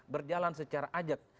berjalan secara ajak